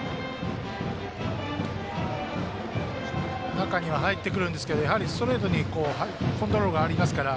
中には入ってくるんですけどやはり、ストレートにコントロールがありますから。